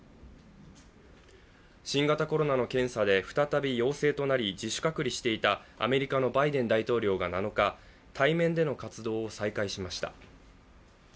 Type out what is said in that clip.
新型コロナの検査で再び陽性となり自主隔離していたアメリカのバイデン大統領が７日、対面での活動を再開しました。